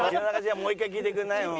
もう一回聞いてくれない？